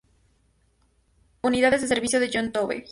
Unidades de servicio de John Tovey